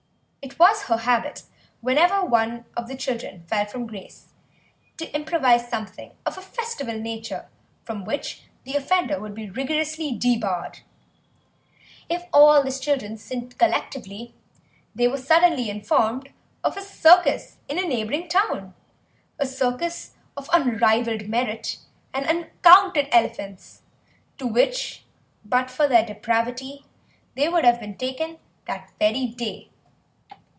It was her habit, whenever one of the children fell from grace, to improvise something of a festival nature from which the offender would be rigorously debarred; if all the children sinned collectively they were suddenly informed of a circus in a neighbouring town, a circus of unrivalled merit and uncounted elephants, to which, but for their depravity, they would have been taken that very day.